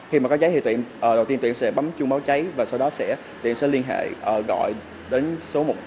khi mà có cháy thì đầu tiên tụi em sẽ bấm chuông báo cháy và sau đó tụi em sẽ liên hệ gọi đến số một mươi bốn